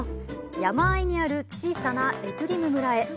山あいにある小さなエトゥリム村へ。